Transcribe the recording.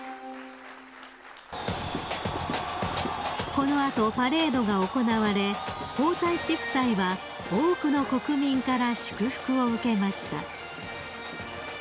［この後パレードが行われ皇太子夫妻は多くの国民から祝福を受けました］